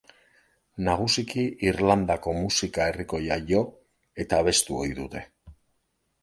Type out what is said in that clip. Nagusiki Irlandako musika herrikoia jo eta abestu ohi dute.